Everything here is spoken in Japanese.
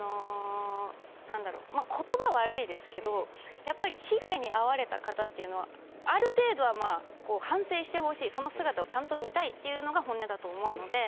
言葉は悪いですけど被害に遭われた方はある程度は反省してほしい、その姿をちゃんと見たいというのが本音だと思います。